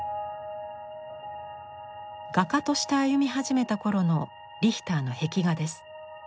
画家として歩み始めたころのリヒターの壁画です。